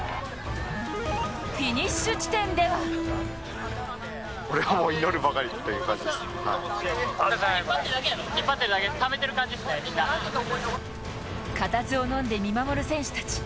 フィニッシュ地点では固唾をのんで見守る選手たち。